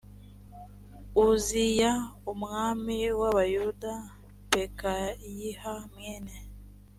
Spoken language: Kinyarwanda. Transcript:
uziya umwami w abayuda pekahiya mwene